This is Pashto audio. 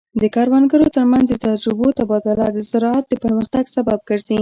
د کروندګرو ترمنځ د تجربو تبادله د زراعت د پرمختګ سبب ګرځي.